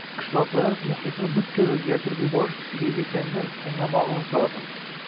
qishloqlarimiz muhitini butkul o‘zgartirib yuborish kuchiga ega ekanini anglamog‘imiz lozim.